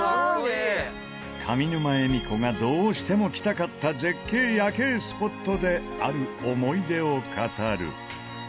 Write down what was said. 上沼恵美子がどうしても来たかった絶景夜景スポットである思い出を語る。